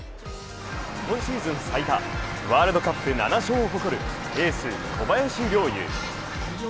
今シーズン最多ワールドカップで７勝を誇るエース小林陵侑。